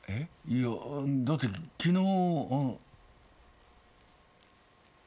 いやぁだって昨日。